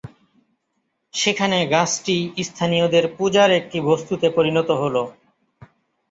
সেখানে গাছটি স্থানীয়দের পূজার একটি বস্তুতে পরিণত হল।